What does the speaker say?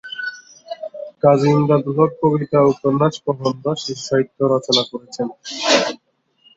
কাজী ইমদাদুল হক কবিতা, উপন্যাস, প্রবন্ধ, শিশুসাহিত্য রচনা করেছেন।